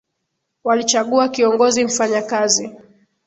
walichagua kiongozi mfanya kazi